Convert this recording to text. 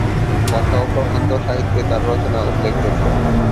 কথা ও প্রবন্ধ সাহিত্যে তার রচনা উল্লেখযোগ্য।